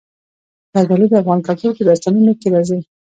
زردالو د افغان کلتور په داستانونو کې راځي.